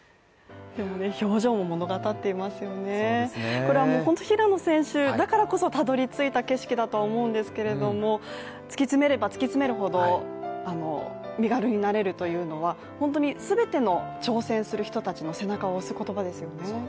これはもうホント平野選手だからこそたどり着いた景色だとは思うんですけれども突き詰めれば突き詰めるほど身軽になれるというのは本当にすべての挑戦する人たちの背中を押す言葉ですよね